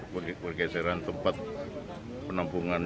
bergeseran tempat penampungan